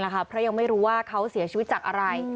เพราะยังไม่รู้ว่าเขาเสียชีวิตจากอะไร